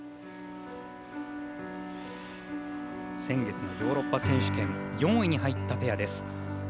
先月のヨーロッパ選手権４位に入ったペアです。